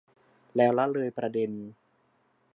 แล้วละเลยประเด็น